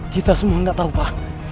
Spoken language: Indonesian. kita semua gak tau pak